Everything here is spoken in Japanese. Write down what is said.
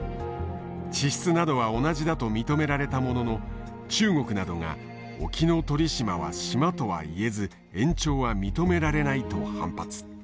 地質などは同じだと認められたものの中国などが沖ノ鳥島は島とは言えず延長は認められないと反発。